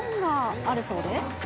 あるそうで。